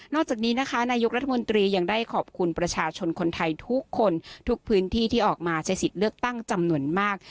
จากนี้นะคะนายกรัฐมนตรียังได้ขอบคุณประชาชนคนไทยทุกคนทุกพื้นที่ที่ออกมาใช้สิทธิ์เลือกตั้งจำนวนมาก